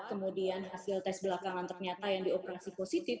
kemudian hasil tes belakangan ternyata yang dioperasi positif